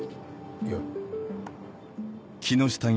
いや。